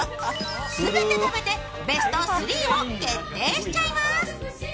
全て食べてベスト３を決定しちゃいます。